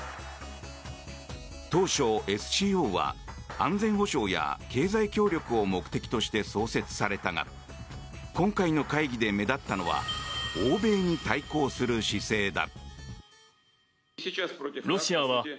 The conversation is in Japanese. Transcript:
当初、ＳＣＯは安全保障や経済協力を目的として創設されたが今回の会議で目立ったのは欧米に対抗する姿勢だ。